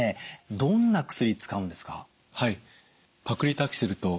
どんな薬使うんですか？